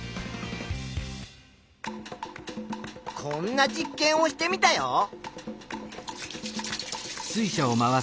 こんな実験をしてみたよ。